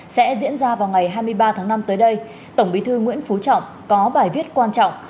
sẽ diễn ra vào ngày hai mươi ba tháng năm tới đây tổng bí thư nguyễn phú trọng có bài viết quan trọng